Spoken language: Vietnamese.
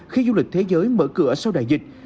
khi du lịch thế giới mở cửa sau đại dịch